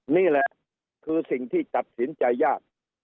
นี่แหละคือสิ่งที่ตัดสินใจยาก